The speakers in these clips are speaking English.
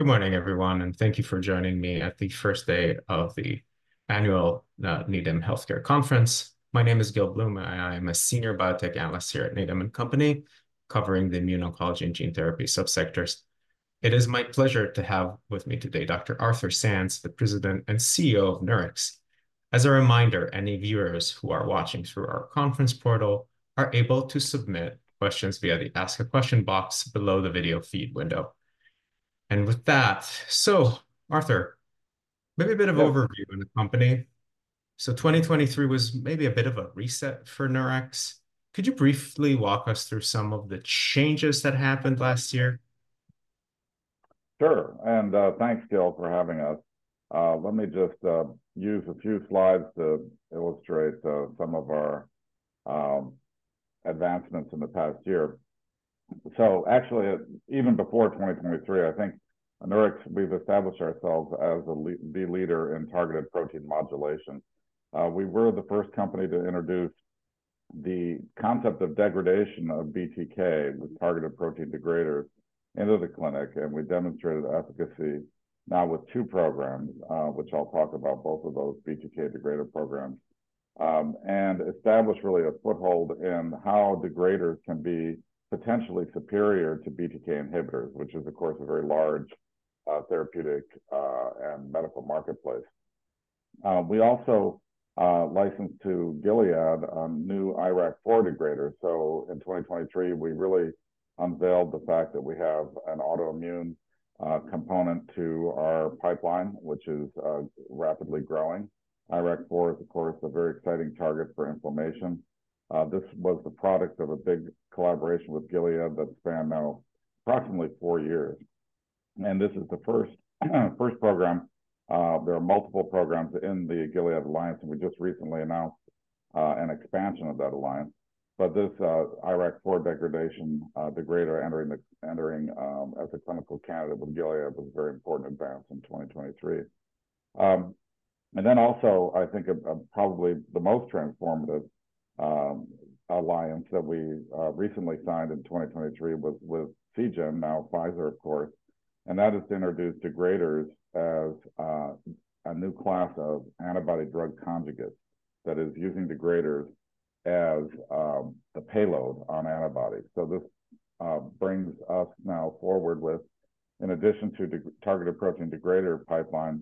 Good morning, everyone, and thank you for joining me at the first day of the annual Needham Healthcare Conference. My name is Gil Blum, and I am a Senior Biotech Analyst here at Needham & Company, covering the immuno-oncology and gene therapy sub-sectors. It is my pleasure to have with me today Dr. Arthur Sands, the President and CEO of Nurix. As a reminder, any viewers who are watching through our conference portal are able to submit questions via the Ask a Question box below the video feed window. With that, Arthur, maybe a bit of overview on the company. So 2023 was maybe a bit of a reset for Nurix. Could you briefly walk us through some of the changes that happened last year? Sure, thanks, Gil, for having us. Let me just use a few slides to illustrate some of our advancements in the past year. So actually, even before 2023, I think at Nurix, we've established ourselves as the leader in targeted protein modulation. We were the first company to introduce the concept of degradation of BTK with targeted protein degrader into the clinic, and we demonstrated efficacy now with two programs, which I'll talk about both of those BTK degrader programs. And established really a foothold in how degraders can be potentially superior to BTK inhibitors, which is, of course, a very large therapeutic and medical marketplace. We also licensed to Gilead a new IRAK4 degrader. So in 2023, we really unveiled the fact that we have an autoimmune component to our pipeline, which is rapidly growing. IRAK4 is, of course, a very exciting target for inflammation. This was the product of a big collaboration with Gilead that spanned now approximately four years, and this is the first program. There are multiple programs in the Gilead alliance, and we just recently announced an expansion of that alliance. But this IRAK4 degrader entering as a clinical candidate with Gilead was a very important advance in 2023. And then also, I think, probably the most transformative alliance that we recently signed in 2023 was with Seagen, now Pfizer, of course, and that is to introduce degraders as a new class of antibody drug conjugates that is using degraders as the payload on antibodies. So this brings us now forward with, in addition to the targeted protein degrader pipeline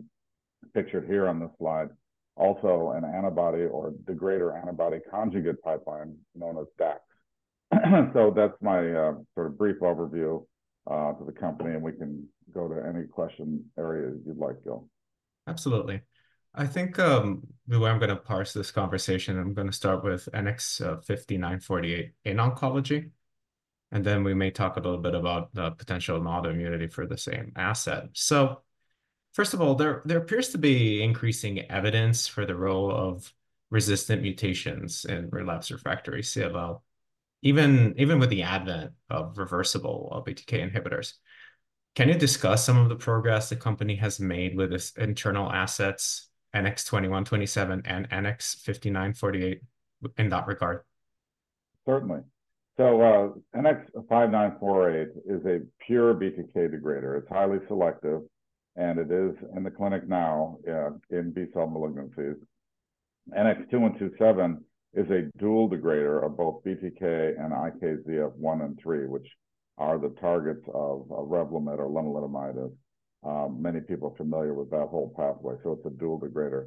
pictured here on this slide, also an antibody or degrader antibody conjugate pipeline known as DAC. So that's my sort of brief overview for the company, and we can go to any question areas you'd like, Gil. Absolutely. I think, the way I'm gonna parse this conversation, I'm gonna start with NX-5948 in oncology, and then we may talk a little bit about the potential in autoimmunity for the same asset. So first of all, there appears to be increasing evidence for the role of resistant mutations in relapsed refractory CLL, even with the advent of reversible BTK inhibitors. Can you discuss some of the progress the company has made with its internal assets, NX-2127 and NX-5948, in that regard? Certainly. So, NX-5948 is a pure BTK degrader. It's highly selective, and it is in the clinic now in B-cell malignancies. NX-2127 is a dual degrader of both BTK and IKZF1 and IKZF3, which are the targets of Revlimid or lenalidomide. Many people are familiar with that whole pathway, so it's a dual degrader.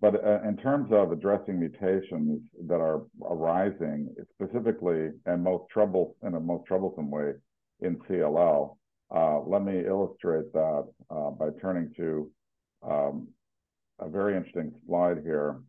But in terms of addressing mutations that are arising specifically, and in a most troublesome way in CLL, let me illustrate that by turning to a very interesting slide here.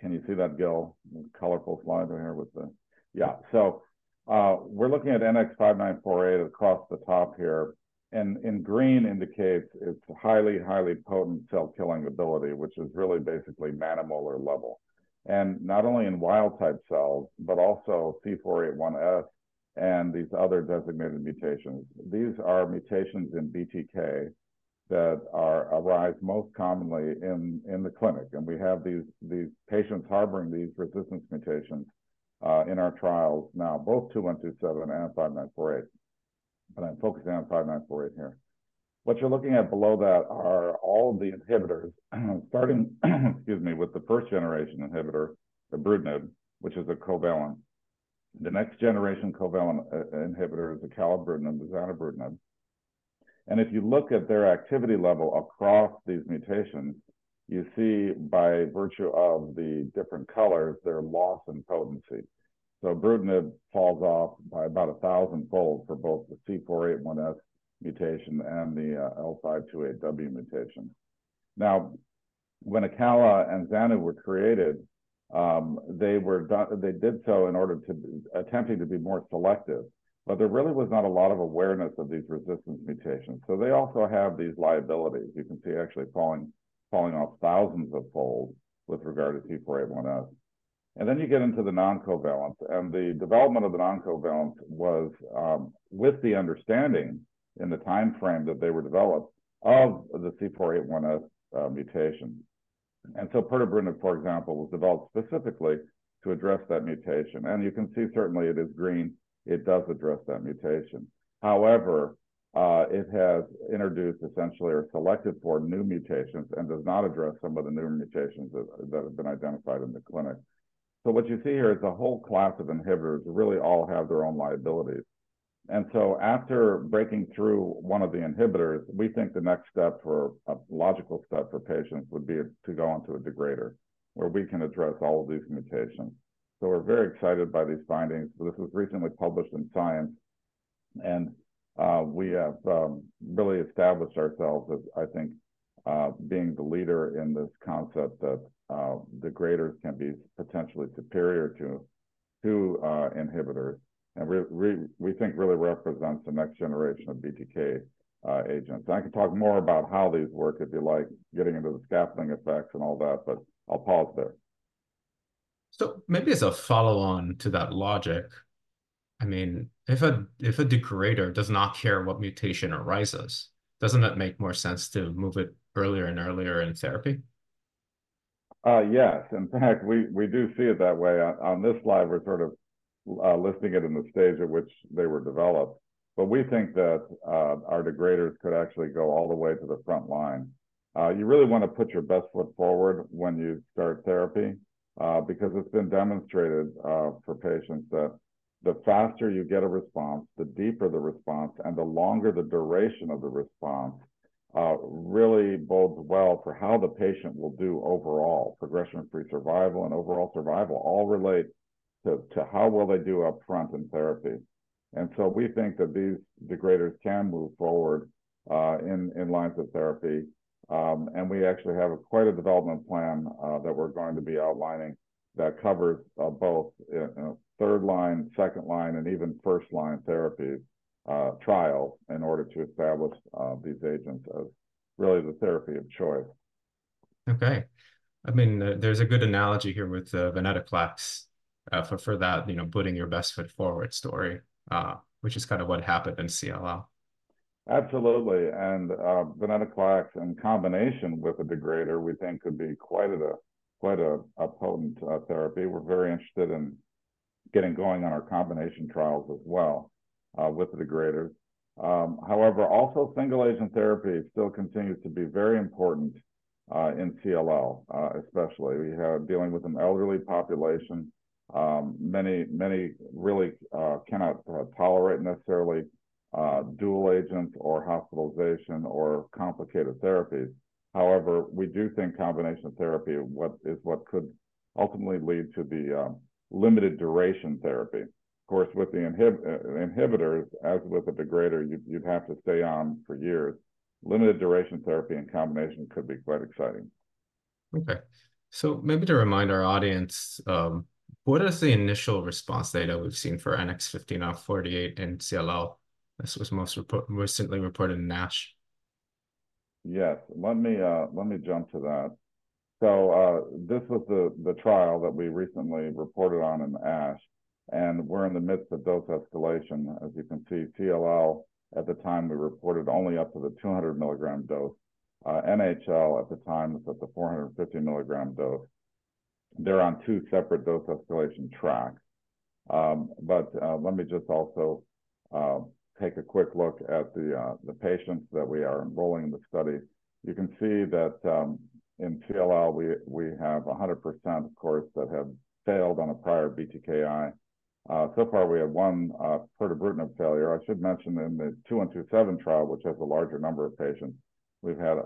Can you see that, Gil? Colorful slide here with the... Yeah. So, we're looking at NX-5948 across the top here, and in green indicates its highly, highly potent cell-killing ability, which is really basically nanomolar level, and not only in wild-type cells, but also C481S and these other designated mutations. These are mutations in BTK that arise most commonly in the clinic, and we have these patients harboring these resistance mutations in our trials now, both 2127 and 5948. But I'm focusing on 5948 here. What you're looking at below that are all the inhibitors, starting, excuse me, with the first-generation inhibitor, ibrutinib, which is a covalent. The next-generation covalent inhibitor is acalabrutinib, zanubrutinib. And if you look at their activity level across these mutations, you see by virtue of the different colors, their loss in potency. So ibrutinib falls off by about a thousandfold for both the C481S mutation and the L528W mutation. Now, when acalabrutinib and zanubrutinib were created, they did so in order to attempting to be more selective, but there really was not a lot of awareness of these resistance mutations, so they also have these liabilities. You can see actually falling off thousandsfold with regard to C481S. And then you get into the non-covalent, and the development of the non-covalent was with the understanding in the time frame that they were developed of the C481S mutation. And so pirtobrutinib, for example, was developed specifically to address that mutation, and you can see certainly it is green. It does address that mutation. However, it has introduced essentially or selected for new mutations and does not address some of the newer mutations that, that have been identified in the clinic. So what you see here is a whole class of inhibitors really all have their own liabilities. And so after breaking through one of the inhibitors, we think the next step for a logical step for patients would be to go onto a degrader, where we can address all of these mutations. So we're very excited by these findings. This was recently published in Science, and, we have, really established ourselves as, I think, being the leader in this concept that, degraders can be potentially superior to, to, inhibitors, and we, we, we think really represents the next generation of BTK, agents. I can talk more about how these work, if you like, getting into the scaffolding effects and all that, but I'll pause there. So maybe as a follow-on to that logic, I mean, if a degrader does not care what mutation arises, doesn't it make more sense to move it earlier and earlier in therapy? Yes. In fact, we do see it that way. On this slide, we're sort of listing it in the stage at which they were developed, but we think that our degraders could actually go all the way to the front line. You really wanna put your best foot forward when you start therapy, because it's been demonstrated for patients that the faster you get a response, the deeper the response, and the longer the duration of the response really bodes well for how the patient will do overall. Progression-free survival and overall survival all relate to how well they do up front in therapy. And so we think that these degraders can move forward in lines of therapy. We actually have quite a development plan that we're going to be outlining that covers both third-line, second line, and even first-line therapy trial, in order to establish these agents as really the therapy of choice. Okay. I mean, there, there's a good analogy here with venetoclax for that, you know, putting your best foot forward story, which is kind of what happened in CLL. Absolutely. And, venetoclax, in combination with a degrader, we think could be quite a potent therapy. We're very interested in getting going on our combination trials as well, with the degraders. However, also single-agent therapy still continues to be very important, in CLL, especially. We are dealing with an elderly population. Many, many really cannot tolerate necessarily dual agents or hospitalization or complicated therapies. However, we do think combination therapy is what could ultimately lead to the limited duration therapy. Of course, with the inhibitors, as with the degrader, you'd have to stay on for years. Limited duration therapy in combination could be quite exciting. Okay. So maybe to remind our audience, what is the initial response data we've seen for NX-5948 in CLL? This was most recently reported in ASH. Yes. Let me jump to that. So this was the trial that we recently reported on in ASH, and we're in the midst of dose escalation. As you can see, CLL, at the time, we reported only up to the 200-milligram dose. NHL at the time was at the 450-milligram dose. They're on two separate dose escalation tracks. But let me just also take a quick look at the patients that we are enrolling in the study. You can see that in CLL, we have 100%, of course, that have failed on a prior BTKI. So far, we have one pirtobrutinib failure. I should mention in the NX-2127 trial, which has a larger number of patients, we've had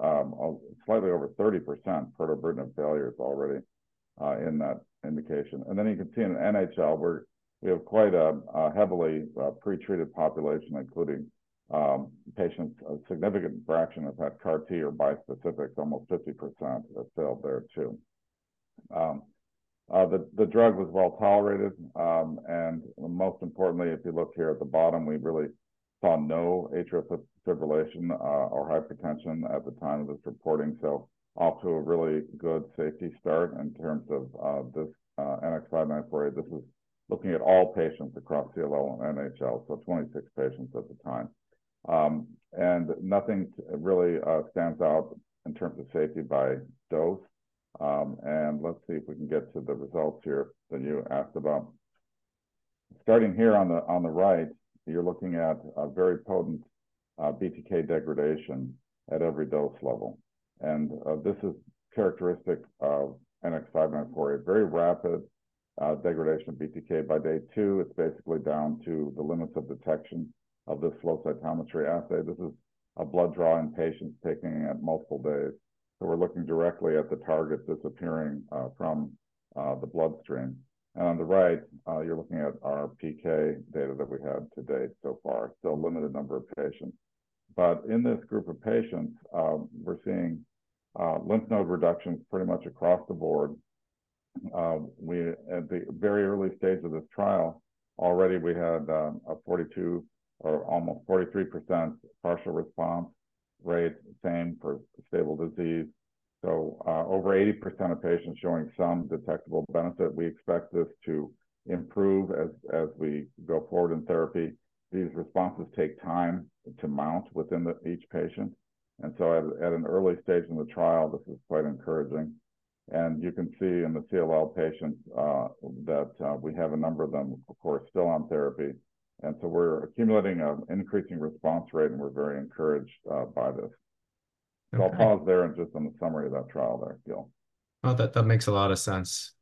slightly over 30% pirtobrutinib failures already in that indication. Then you can see in NHL, where we have quite a heavily pretreated population, including patients. A significant fraction have had CAR T or bispecific, almost 50% have failed there, too. The drug was well-tolerated, and most importantly, if you look here at the bottom, we really saw no atrial fibrillation or hypertension at the time of this reporting. So off to a really good safety start in terms of this NX-5948. This is looking at all patients across CLL and NHL, so 26 patients at the time. And nothing really stands out in terms of safety by dose. And let's see if we can get to the results here that you asked about. Starting here on the right, you're looking at a very potent, BTK degradation at every dose level, and, this is characteristic of NX-5948. Very rapid, degradation of BTK. By day two, it's basically down to the limits of detection of this flow cytometry assay. This is a blood draw in patients taking it multiple days, so we're looking directly at the target disappearing, from, the bloodstream. And on the right, you're looking at our PK data that we have to date so far, so a limited number of patients. But in this group of patients, we're seeing, lymph node reductions pretty much across the board. We, at the very early stage of this trial, already we had a 42 or almost 43% partial response rate, same for stable disease. So, over 80% of patients showing some detectable benefit. We expect this to improve as we go forward in therapy. These responses take time to mount within each patient, and so at an early stage in the trial, this is quite encouraging... and you can see in the CLL patients, that we have a number of them, of course, still on therapy. And so we're accumulating a increasing response rate, and we're very encouraged by this. Okay. I'll pause there and just on the summary of that trial there, Gil. Well, that, that makes a lot of sense.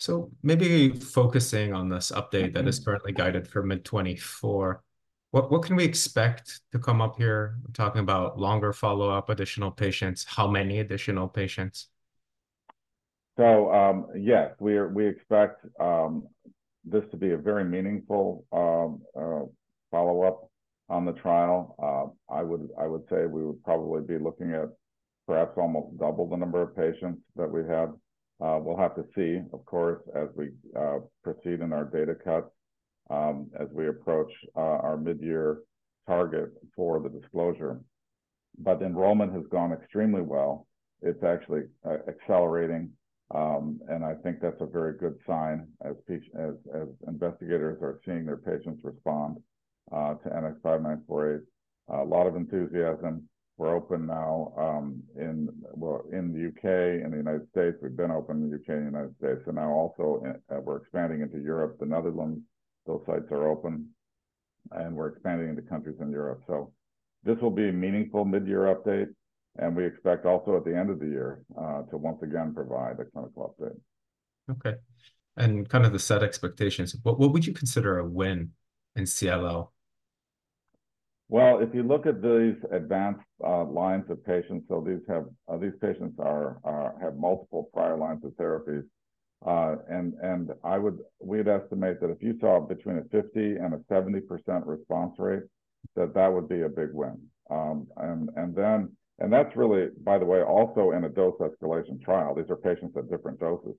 So maybe focusing on this update- Mm-hmm that is currently guided for mid-2024, what, what can we expect to come up here? We're talking about longer follow-up, additional patients. How many additional patients? Yes, we expect this to be a very meaningful follow-up on the trial. I would say we would probably be looking at perhaps almost double the number of patients that we have. We'll have to see, of course, as we proceed in our data cut, as we approach our mid-year target for the disclosure. But enrollment has gone extremely well. It's actually accelerating, and I think that's a very good sign as investigators are seeing their patients respond to NX-5948. A lot of enthusiasm. We're open now, well, in the U.K. and the United States. We've been open in the U.K. and the United States, and now also we're expanding into Europe, the Netherlands. Those sites are open, and we're expanding into countries in Europe. This will be a meaningful mid-year update, and we expect also at the end of the year to once again provide a clinical update. Okay. And kind of to set expectations, what would you consider a win in CLL? Well, if you look at these advanced lines of patients, so these patients have multiple prior lines of therapies. And we'd estimate that if you saw between 50% and 70% response rate, that would be a big win. That's really, by the way, also in a dose-escalation trial. These are patients at different doses.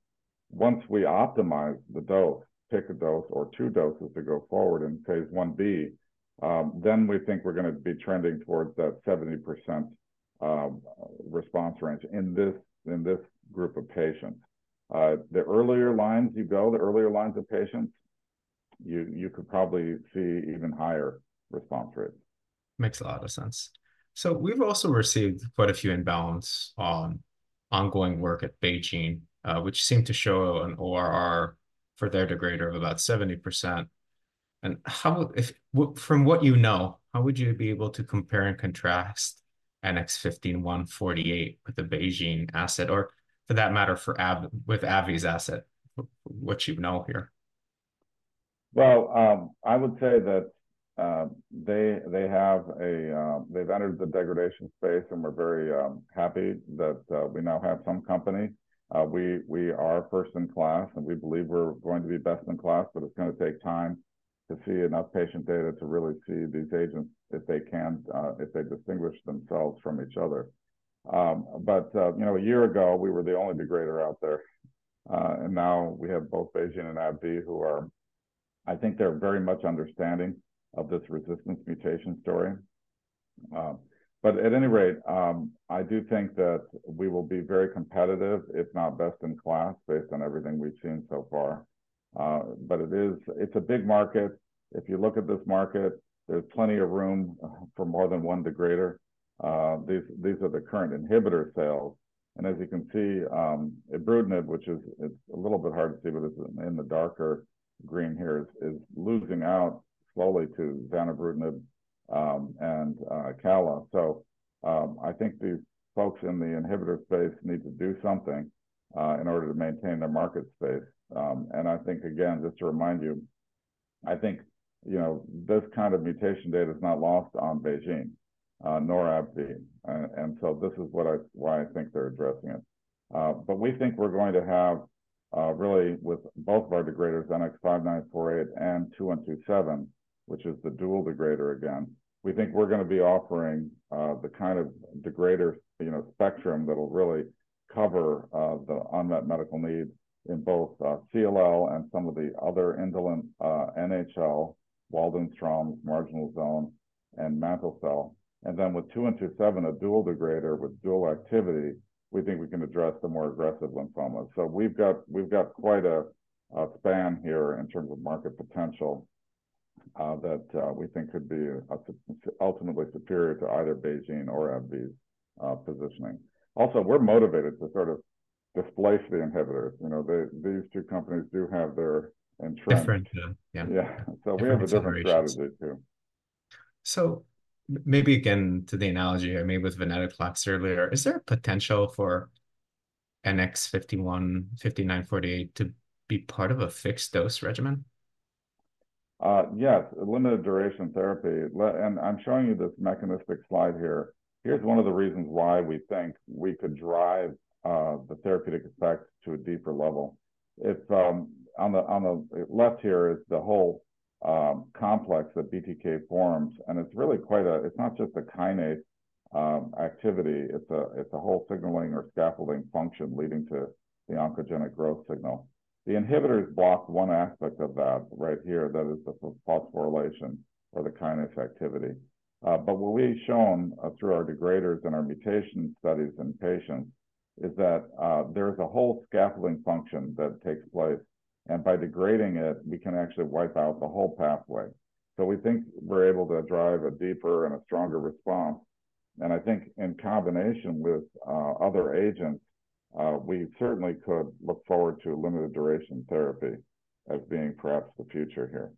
Once we optimize the dose, pick a dose or two doses to go forward in phase I-B, then we think we're gonna be trending towards that 70% response range in this group of patients. The earlier lines you go, the earlier lines of patients, you could probably see even higher response rates. Makes a lot of sense. So we've also received quite a few inquiries on ongoing work at BeiGene, which seemed to show an ORR for their degrader of about 70%. And how, from what you know, how would you be able to compare and contrast NX-5948 with the BeiGene asset, or for that matter, with AbbVie's asset, what you know here? Well, I would say that they have entered the degradation space, and we're very happy that we now have some company. We are first in class, and we believe we're going to be best in class, but it's gonna take time to see enough patient data to really see these agents, if they can, if they distinguish themselves from each other. But you know, a year ago, we were the only degrader out there. And now we have both BeiGene and AbbVie, who I think are very much understanding of this resistance mutation story. But at any rate, I do think that we will be very competitive, if not best in class, based on everything we've seen so far. But it's a big market. If you look at this market, there's plenty of room for more than one degrader. These are the current inhibitor sales, and as you can see, ibrutinib, which is... It's a little bit hard to see, but it's in the darker green here, is losing out slowly to venetoclax and Calquence. So, I think the folks in the inhibitor space need to do something in order to maintain their market space. And I think, again, just to remind you, I think, you know, this kind of mutation data is not lost on BeiGene nor AbbVie, and so this is why I think they're addressing it. But we think we're going to have, really with both of our degraders, NX-5948 and NX-2127, which is the dual degrader again, we think we're gonna be offering, the kind of degrader, you know, spectrum that'll really cover, the unmet medical needs in both, CLL and some of the other indolent, NHL, Waldenstrom's, marginal zone, and mantle cell. And then with NX-2127, a dual degrader with dual activity, we think we can address the more aggressive lymphomas. So we've got, we've got quite a, a span here in terms of market potential, that, we think could be, ultimately superior to either BeiGene or AbbVie's, positioning. Also, we're motivated to sort of displace the inhibitors. You know, the- these two companies do have their entrenched. Different, yeah. Yeah. Yeah. Different generations. So we have a different strategy, too. So maybe again, to the analogy I made with venetoclax earlier, is there a potential for NX-5948 to be part of a fixed-dose regimen? Yes, limited duration therapy. And I'm showing you this mechanistic slide here. Here's one of the reasons why we think we could drive the therapeutic effect to a deeper level. It's on the left here is the whole complex that BTK forms, and it's really quite a, it's not just a kinase activity, it's a whole signaling or scaffolding function leading to the oncogenic growth signal. The inhibitors block one aspect of that right here, that is the phosphorylation or the kinase activity. But what we've shown through our degraders and our mutation studies in patients is that there's a whole scaffolding function that takes place, and by degrading it, we can actually wipe out the whole pathway. So we think we're able to drive a deeper and a stronger response. I think in combination with other agents, we certainly could look forward to limited duration therapy as being perhaps the future here.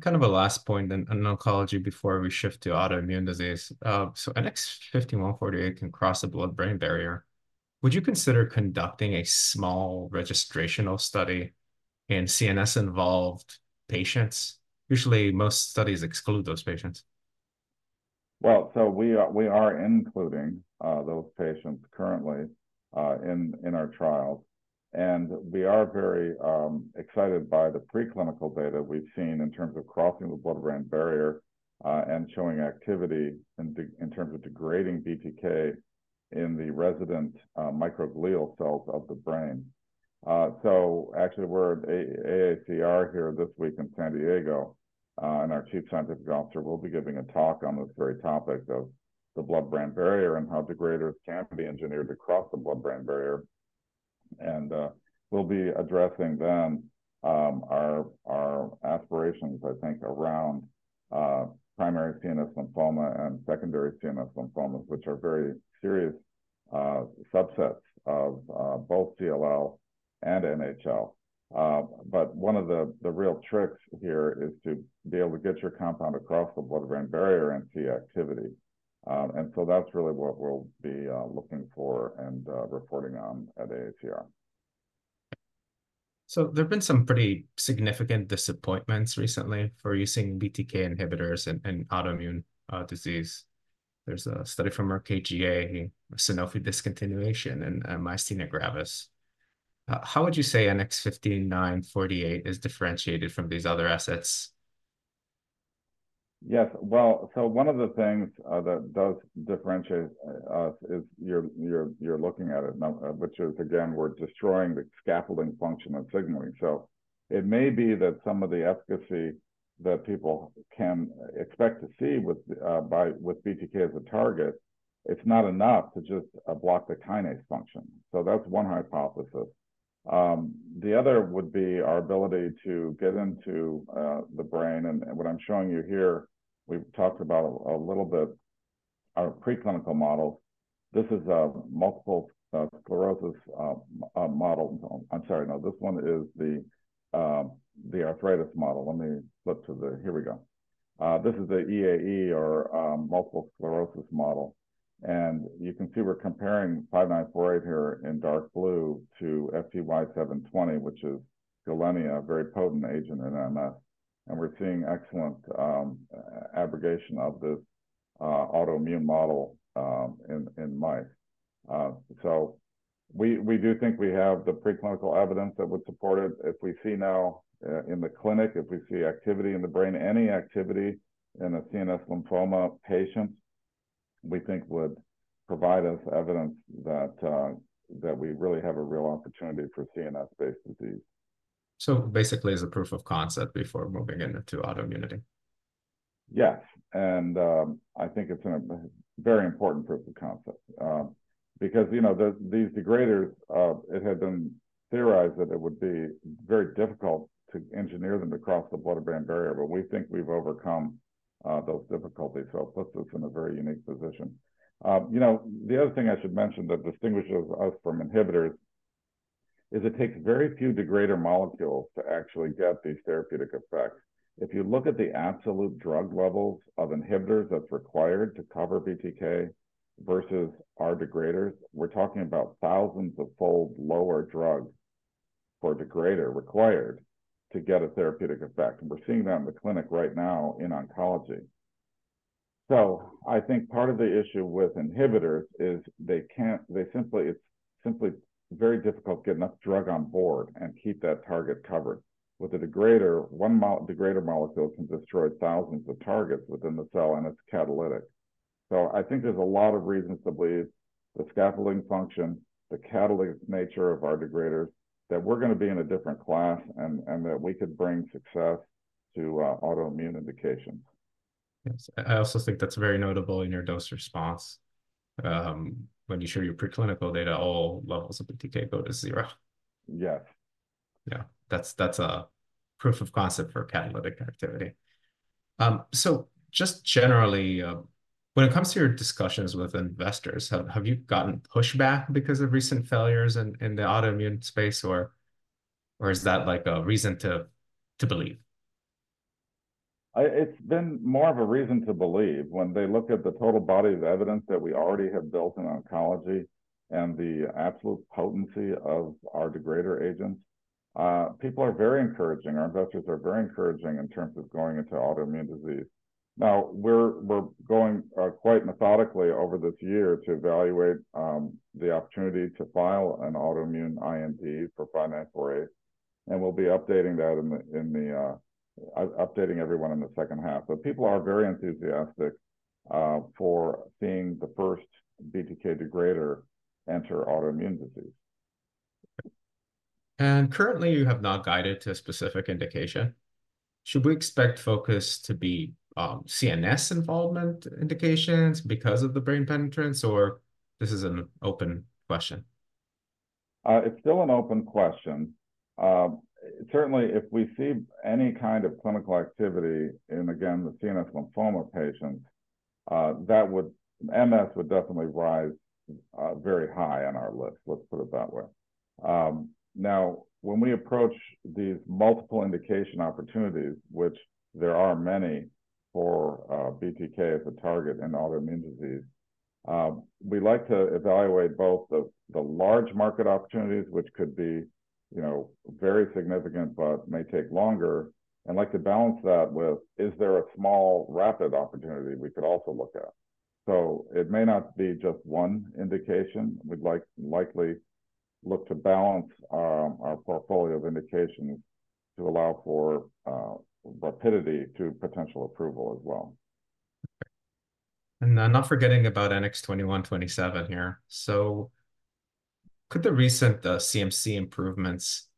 Kind of a last point in oncology before we shift to autoimmune disease. So NX-5948 can cross the blood-brain barrier. Would you consider conducting a small registrational study in CNS-involved patients? Usually, most studies exclude those patients. Well, so we are including those patients currently in our trials. And we are very excited by the preclinical data we've seen in terms of crossing the blood-brain barrier and showing activity in terms of degrading BTK in the resident microglial cells of the brain. So actually, we're at AACR here this week in San Diego, and our Chief Scientific Officer will be giving a talk on this very topic of the blood-brain barrier and how degraders can be engineered to cross the blood-brain barrier. And we'll be addressing then our aspirations, I think, around primary CNS lymphoma and secondary CNS lymphomas, which are very serious subsets of both CLL and NHL. But one of the real tricks here is to be able to get your compound across the blood-brain barrier and see activity. And so that's really what we'll be looking for and reporting on at AACR. There have been some pretty significant disappointments recently for using BTK inhibitors in autoimmune disease. There's a study from RKGA, Sanofi discontinuation, and myasthenia gravis. How would you say NX-5948 is differentiated from these other assets? Yes. Well, so one of the things that does differentiate us is you're looking at it, which is, again, we're destroying the scaffolding function of signaling. So it may be that some of the efficacy that people can expect to see with with BTK as a target, it's not enough to just block the kinase function. So that's one hypothesis. The other would be our ability to get into the brain. And what I'm showing you here, we've talked about a little bit, our preclinical models. This is a multiple sclerosis model. I'm sorry. No, this one is the arthritis model. Let me flip to the... Here we go. This is the EAE, or multiple sclerosis model, and you can see we're comparing 5948 here in dark blue to FTY-720, which is Gilenya, a very potent agent in MS, and we're seeing excellent abrogation of this autoimmune model in mice. So we do think we have the preclinical evidence that would support it. If we see now in the clinic, if we see activity in the brain, any activity in the CNS lymphoma patients, we think would provide us evidence that that we really have a real opportunity for CNS-based disease. Basically, as a proof of concept before moving into autoimmunity. Yes, and I think it's a very important proof of concept. Because, you know, these degraders, it had been theorized that it would be very difficult to engineer them to cross the blood-brain barrier, but we think we've overcome those difficulties, so it puts us in a very unique position. You know, the other thing I should mention that distinguishes us from inhibitors is it takes very few degrader molecules to actually get these therapeutic effects. If you look at the absolute drug levels of inhibitors that's required to cover BTK versus our degraders, we're talking about thousands of fold lower drug for degrader required to get a therapeutic effect, and we're seeing that in the clinic right now in oncology. So I think part of the issue with inhibitors is they can't-- they simply. It's simply very difficult to get enough drug on board and keep that target covered. With a degrader, one degrader molecule can destroy thousands of targets within the cell, and it's catalytic. So I think there's a lot of reasons to believe the scaffolding function, the catalytic nature of our degraders, that we're gonna be in a different class, and that we could bring success to autoimmune indications. Yes. I also think that's very notable in your dose response. When you show your preclinical data, all levels of BTK go to zero. Yes. Yeah, that's a proof of concept for catalytic activity. So just generally, when it comes to your discussions with investors, have you gotten pushback because of recent failures in the autoimmune space, or is that like a reason to believe? It's been more of a reason to believe. When they look at the total body of evidence that we already have built in oncology and the absolute potency of our degrader agents, people are very encouraging. Our investors are very encouraging in terms of going into autoimmune disease. Now, we're going quite methodically over this year to evaluate the opportunity to file an autoimmune IND for NX-5948, and we'll be updating that in the second half, updating everyone in the second half. But people are very enthusiastic for being the first BTK degrader to enter autoimmune disease. Currently, you have not guided to a specific indication. Should we expect focus to be CNS involvement indications because of the brain penetrance, or this is an open question? It's still an open question. Certainly, if we see any kind of clinical activity in, again, the CNS lymphoma patients, that would, MS would definitely rise very high on our list. Let's put it that way. Now, when we approach these multiple indication opportunities, which there are many for BTK as a target in autoimmune disease, we like to evaluate both the large market opportunities, which could be, you know, very significant, but may take longer, and like to balance that with, is there a small, rapid opportunity we could also look at? So it may not be just one indication. We'd likely look to balance our portfolio of indications to allow for rapidity to potential approval as well. I'm not forgetting about NX-2127 here. So could the recent CMC improvements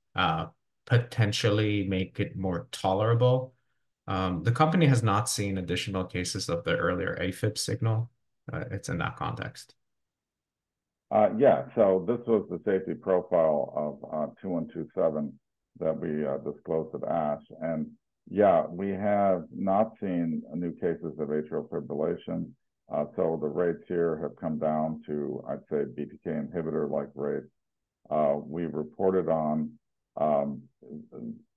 potentially make it more tolerable? The company has not seen additional cases of the earlier AFib signal. It's in that context. Yeah. So this was the safety profile of NX-2127 that we disclosed at ASH. Yeah, we have not seen new cases of atrial fibrillation. So the rates here have come down to, I'd say, BTK inhibitor-like rates. We reported on,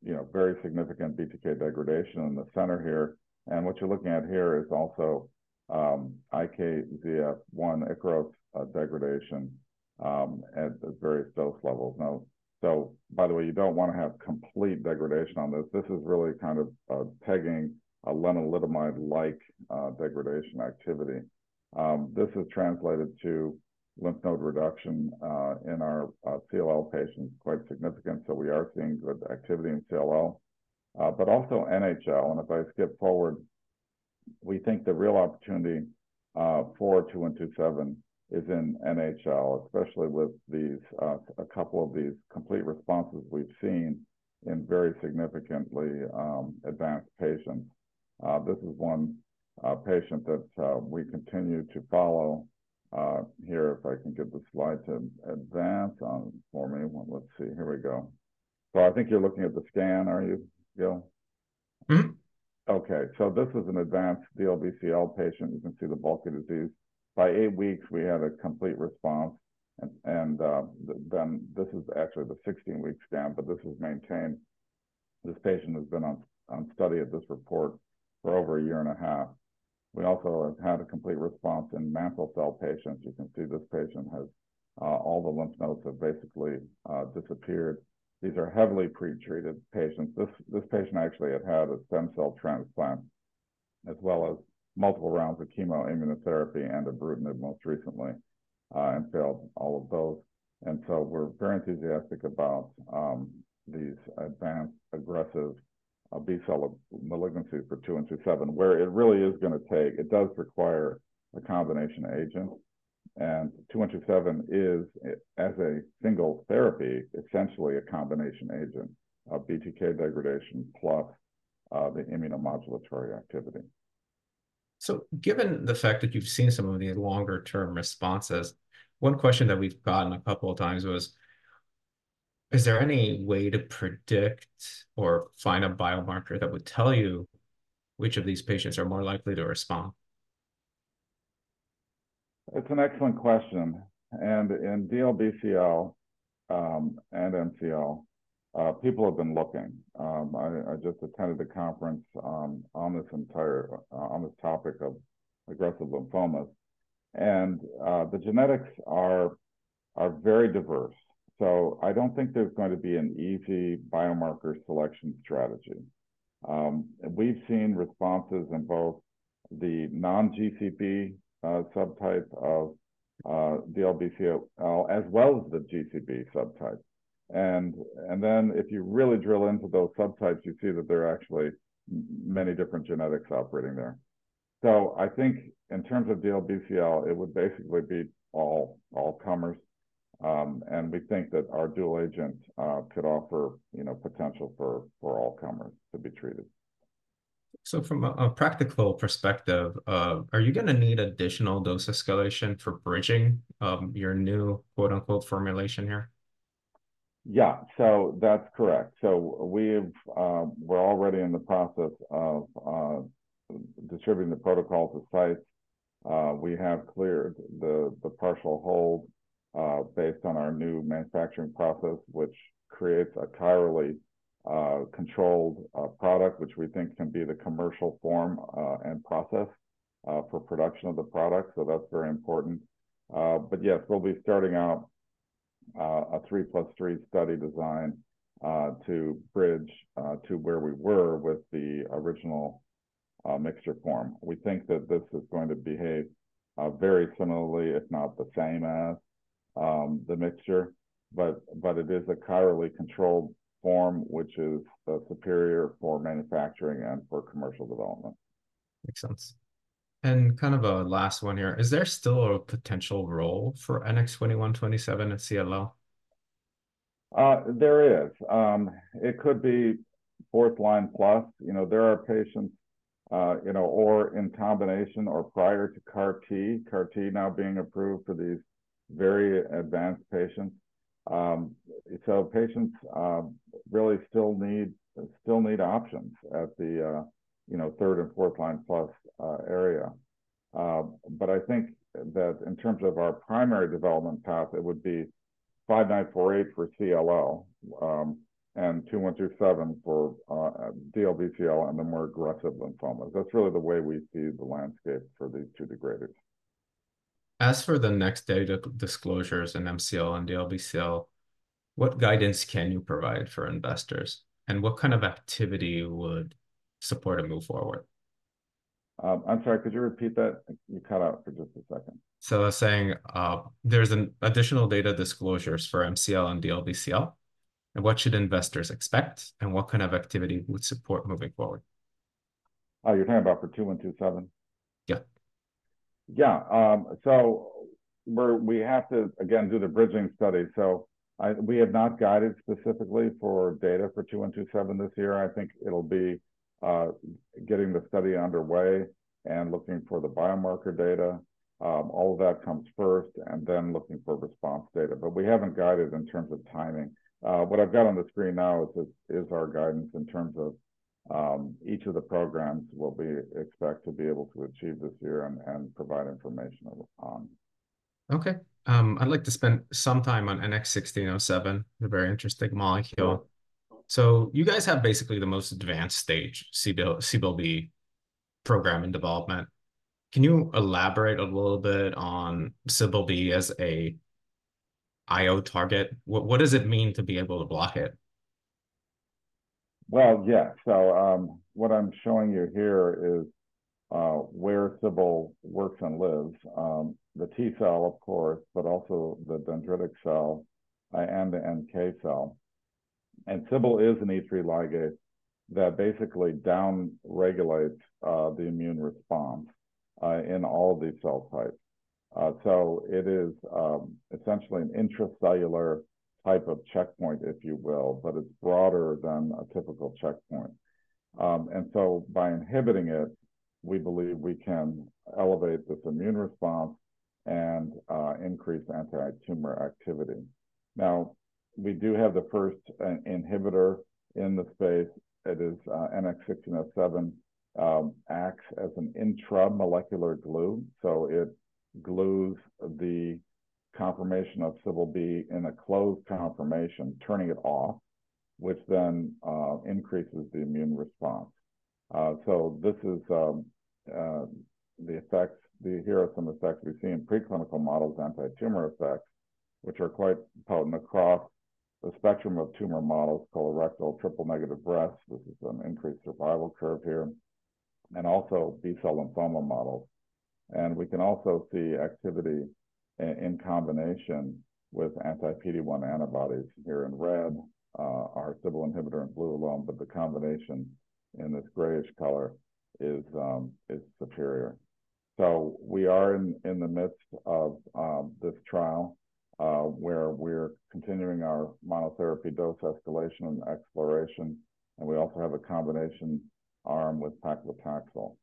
you know, very significant BTK degradation in the center here. And what you're looking at here is also IKZF1 degradation at various dose levels. Now, so by the way, you don't wanna have complete degradation on this. This is really kind of pegging a lenalidomide-like degradation activity. This has translated to lymph node reduction in our CLL patients, quite significant, so we are seeing good activity in CLL, but also NHL. If I skip forward, we think the real opportunity for 2127 is in NHL, especially with these, a couple of these complete responses we've seen in very significantly advanced patients. This is one patient that we continue to follow. Here, if I can get the slide to advance for me. Well, let's see. Here we go. So I think you're looking at the scan, are you, Gil? Mm-hmm. Okay, so this is an advanced DLBCL patient. You can see the bulky disease. By eight weeks, we had a complete response, then, this is actually the 16-week scan, but this was maintained. This patient has been on study at this report for over a year and a half. We also have had a complete response in mantle cell patients. You can see this patient has all the lymph nodes have basically disappeared. These are heavily pretreated patients. This patient actually had had a stem cell transplant, as well as multiple rounds of chemo, immunotherapy, and ibrutinib most recently, and failed all of those. So we're very enthusiastic about these advanced, aggressive B-cell malignancies for 2127, where it really is gonna take. It does require a combination agent, and NX-2127 is, as a single therapy, essentially a combination agent of BTK degradation, plus, the immunomodulatory activity. Given the fact that you've seen some of the longer-term responses, one question that we've gotten a couple of times was: Is there any way to predict or find a biomarker that would tell you which of these patients are more likely to respond? It's an excellent question. And in DLBCL, and MCL, people have been looking. I just attended a conference on this entire on this topic of aggressive lymphomas, and the genetics are very diverse. So I don't think there's going to be an easy biomarker selection strategy. And we've seen responses in both the non-GCB subtype of DLBCL, as well as the GCB subtype. And then if you really drill into those subtypes, you see that there are actually many different genetics operating there. So I think in terms of DLBCL, it would basically be all comers. And we think that our dual agent could offer, you know, potential for all comers to be treated. So from a practical perspective, are you gonna need additional dose escalation for bridging your new, quote, unquote, "formulation" here? Yeah. So that's correct. So we've we're already in the process of distributing the protocols to sites. We have cleared the partial hold based on our new manufacturing process, which creates a chirally controlled product, which we think can be the commercial form and process for production of the product. So that's very important. But yes, we'll be starting out a 3+3 study design to bridge to where we were with the original mixture form. We think that this is going to behave very similarly, if not the same as the mixture, but it is a chirally controlled form, which is superior for manufacturing and for commercial development. Makes sense. Kind of a last one here: Is there still a potential role for NX-2127 at CLL? There is. It could be fourth line plus. You know, there are patients, you know, or in combination or prior to CAR T, CAR T now being approved for these very advanced patients. So patients really still need options at the, you know, third and fourth line plus area. But I think that in terms of our primary development path, it would be NX-5948 for CLL, and NX-2127 for DLBCL and the more aggressive lymphomas. That's really the way we see the landscape for these two degraders. As for the next data disclosures in MCL and DLBCL, what guidance can you provide for investors, and what kind of activity would support a move forward? I'm sorry, could you repeat that? You cut out for just a second. So I was saying, there's an additional data disclosures for MCL and DLBCL, and what should investors expect, and what kind of activity would support moving forward? Oh, you're talking about NX-2127? Yeah. Yeah. So we have to, again, do the bridging study. So we have not guided specifically for data for 2127 this year. I think it'll be getting the study underway and looking for the biomarker data. All of that comes first, and then looking for response data. But we haven't guided in terms of timing. What I've got on the screen now is, is our guidance in terms of each of the programs we'll expect to be able to achieve this year and provide information on. Okay. I'd like to spend some time on NX-1607, a very interesting molecule. So you guys have basically the most advanced stage, CBL-B program in development. Can you elaborate a little bit on CBL-B as a IO target? What does it mean to be able to block it? Well, yeah. So, what I'm showing you here is where CBL-B works and lives. The T-cell, of course, but also the dendritic cell, and the NK cell. And CBL-B is an E3 ligase that basically down-regulates the immune response in all of these cell types. So it is essentially an intracellular type of checkpoint, if you will, but it's broader than a typical checkpoint. And so by inhibiting it, we believe we can elevate this immune response and increase anti-tumor activity. Now, we do have the first inhibitor in the space. It is NX-1607, acts as an intramolecular glue. So it glues the conformation of CBL-B in a closed conformation, turning it off, which then increases the immune response. So this is the effects—here are some effects we see in preclinical models, anti-tumor effects, which are quite potent across the spectrum of tumor models, colorectal, triple-negative breast. This is an increased survival curve here, and also B-cell lymphoma models. And we can also see activity in combination with anti-PD-1 antibodies here in red, our CBL-B inhibitor in blue alone, but the combination in this grayish color is superior. So we are in the midst of this trial, where we're continuing our monotherapy dose escalation and exploration, and we also have a combination arm with paclitaxel.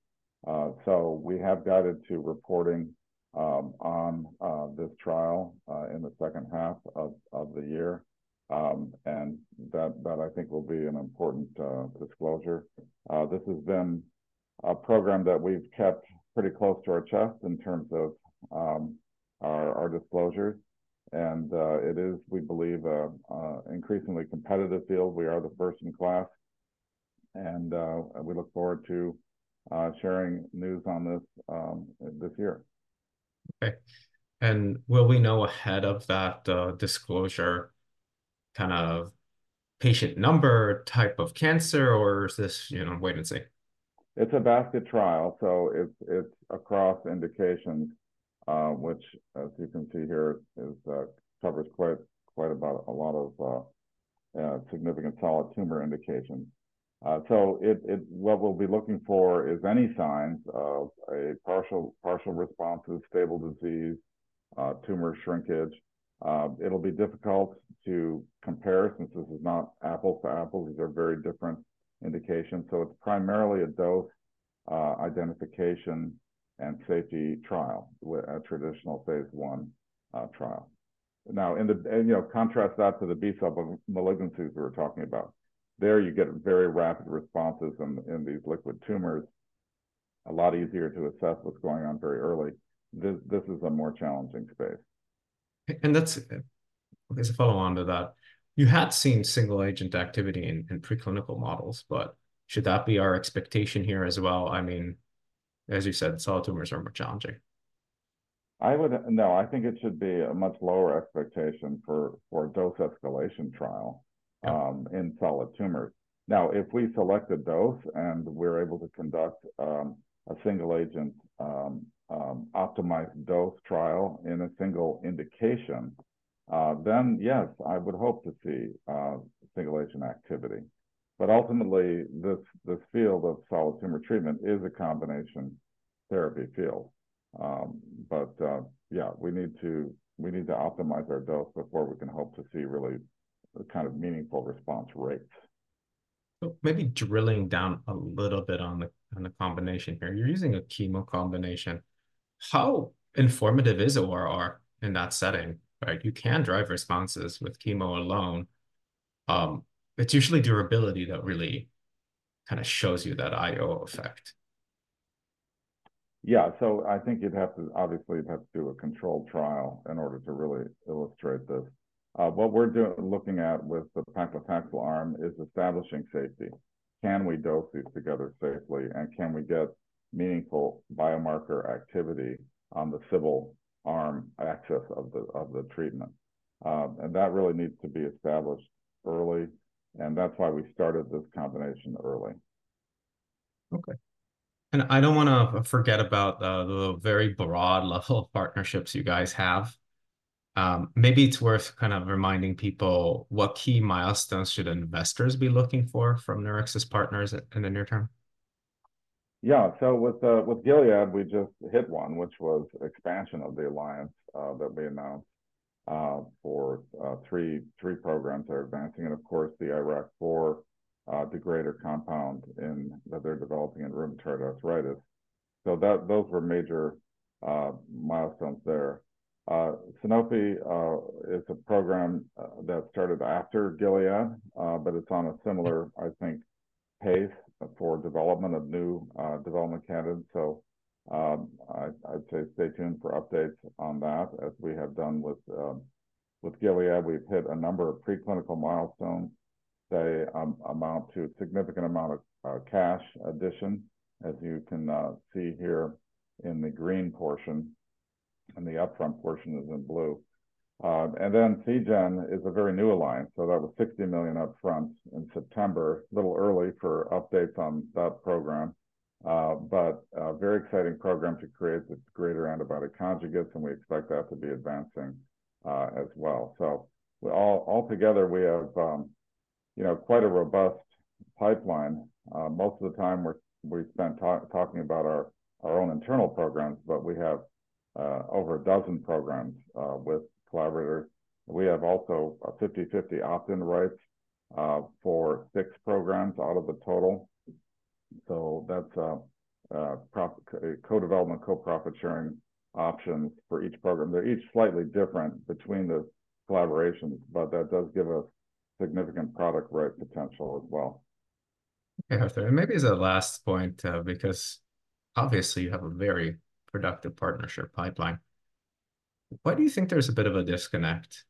So we have guided to reporting on this trial in the second half of the year, and that I think will be an important disclosure. This has been a program that we've kept pretty close to our chest in terms of our disclosures, and it is, we believe, a increasingly competitive field. We are the first in class, and we look forward to sharing news on this this year. Okay. And will we know ahead of that, disclosure, kind of patient number, type of cancer, or is this, you know, wait and see? It's a basket trial, so it's across indications, which, as you can see here, covers quite a lot of significant solid tumor indications. So it—what we'll be looking for is any signs of a partial response to stable disease, tumor shrinkage. It'll be difficult to compare since this is not apples to apples. These are very different indications. So it's primarily a dose identification and safety trial, with a traditional phase I trial. Now, you know, contrast that to the B-cell malignancies we were talking about. There, you get very rapid responses in these liquid tumors, a lot easier to assess what's going on very early. This is a more challenging space. As a follow-on to that, you had seen single-agent activity in preclinical models, but should that be our expectation here as well? I mean, as you said, solid tumors are more challenging. I would—no, I think it should be a much lower expectation for a dose-escalation trial. Yeah In solid tumors. Now, if we select a dose, and we're able to conduct a single-agent optimized dose trial in a single indication, then, yes, I would hope to see single-agent activity. But ultimately, this field of solid tumor treatment is a combination therapy field. But yeah, we need to optimize our dose before we can hope to see really kind of meaningful response rates. So maybe drilling down a little bit on the combination here. You're using a chemo combination. How informative is ORR in that setting, right? You can drive responses with chemo alone. It's usually durability that really kind of shows you that IO effect. Yeah. So I think you'd have to, obviously, you'd have to do a controlled trial in order to really illustrate this. What we're doing, looking at with the paclitaxel arm is establishing safety. Can we dose these together safely, and can we get meaningful biomarker activity on the CBL-B immune axis of the treatment? And that really needs to be established early, and that's why we started this combination early. Okay. I don't wanna forget about the very broad level of partnerships you guys have. Maybe it's worth kind of reminding people what key milestones should investors be looking for from Nurix's partners in the near term? Yeah. So, with Gilead, we just hit one, which was expansion of the alliance that we announced for three programs they're advancing, and of course, the IRAK4 degrader compound that they're developing in rheumatoid arthritis. So those were major milestones there. Sanofi is a program that started after Gilead, but it's on a similar, I think, pace for development of new development candidates. So, I'd say stay tuned for updates on that as we have done with Gilead. We've hit a number of preclinical milestones. They amount to a significant amount of cash addition, as you can see here in the green portion, and the upfront portion is in blue. And then Seagen is a very new alliance, so that was $60 million up front in September. A little early for updates on that program, but a very exciting program to create the degrader antibody conjugates, and we expect that to be advancing, as well. Altogether, we have, you know, quite a robust pipeline. Most of the time, we've spent talking about our own internal programs, but we have over a dozen programs with collaborators. We have also a 50/50 opt-in rights for six programs out of the total. So that's co-development, co-profit sharing options for each program. They're each slightly different between the collaborations, but that does give us significant product rights potential as well. Yeah, and maybe as a last point, because obviously you have a very productive partnership pipeline, why do you think there's a bit of a disconnect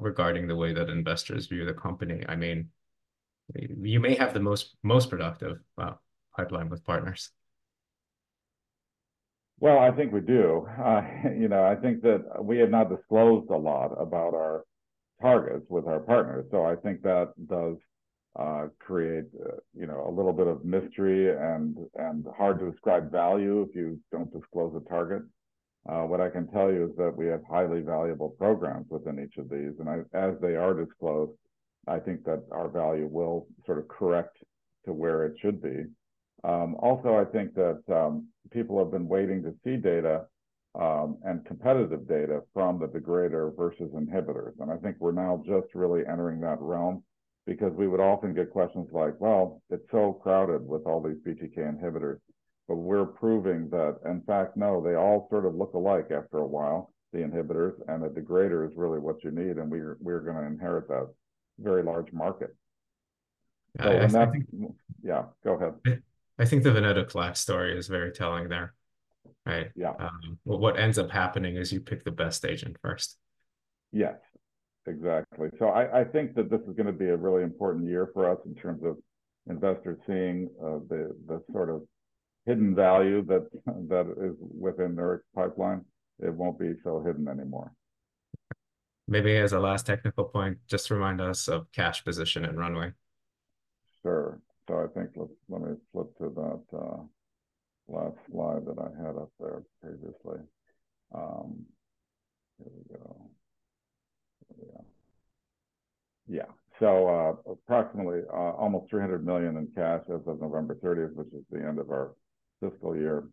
regarding the way that investors view the company? I mean, you may have the most, most productive pipeline with partners. Well, I think we do. You know, I think that we have not disclosed a lot about our targets with our partners, so I think that does create, you know, a little bit of mystery and hard to describe value if you don't disclose a target. What I can tell you is that we have highly valuable programs within each of these, and as they are disclosed, I think that our value will sort of correct to where it should be. Also, I think that people have been waiting to see data and competitive data from the degrader versus inhibitors. I think we're now just really entering that realm because we would often get questions like, "Well, it's so crowded with all these BTK inhibitors," but we're proving that, in fact, no, they all sort of look alike after a while, the inhibitors, and the degrader is really what you need, and we're, we're gonna inherit that very large market. Yeah, I think. Yeah, go ahead. I think the venetoclax story is very telling there, right? Yeah. What ends up happening is you pick the best agent first. Yes, exactly. So I think that this is gonna be a really important year for us in terms of investors seeing the sort of hidden value that is within Nurix pipeline. It won't be so hidden anymore. Maybe as a last technical point, just remind us of cash position and runway. Sure. So I think let me flip to that last slide that I had up there previously. Here we go. Yeah. Yeah. So, approximately almost $300 million in cash as of November thirtieth, which is the end of our fiscal year.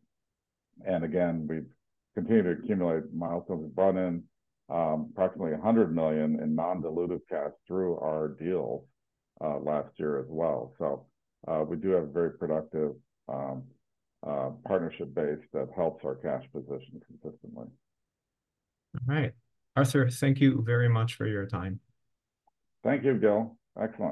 And again, we've continued to accumulate milestones. We brought in, approximately $100 million in non-dilutive cash through our deals, last year as well. So, we do have a very productive, partnership base that helps our cash position consistently. All right. Arthur, thank you very much for your time. Thank you, Gil. Excellent.